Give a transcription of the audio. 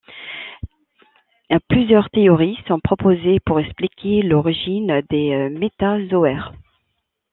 Plusieurs théories sont proposées pour expliquer l'origine des métazoaires.